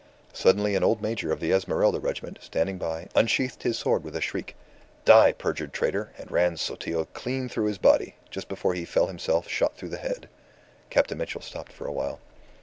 Suddenly an old major of the Esmeralda regiment, standing by, unsheathed his sword with a shriek: 'Die, perjured traitor!' and ran Sotillo clean through the body, just before he fell himself shot through the head." Captain Mitchell stopped for a while.